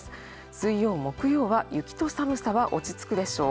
水曜、木曜は雪と寒さは落ち着くでしょう。